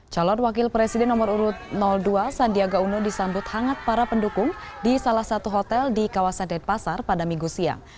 calon wakil presiden nomor urut dua sandiaga uno disambut hangat para pendukung di salah satu hotel di kawasan denpasar pada minggu siang